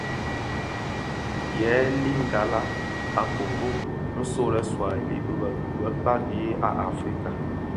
Yèè lingala a Kongo, nso lè Swuahili bi kpagi a Afrika.